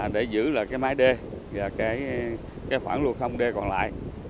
để giữ mái đê và khoảng luộc không đê còn lại